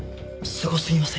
すごすぎません？